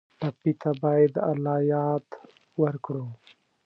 ټپي ته باید د الله یاد ورکړو.